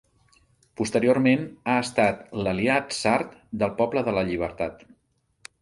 Posteriorment ha estat l'aliat sard del Poble de la Llibertat.